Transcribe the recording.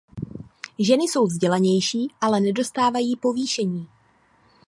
Ženy jsou vzdělanější, ale nedostávají povýšení.